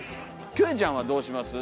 キョエちゃんはどうします？